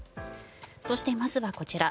そして、まずはこちら。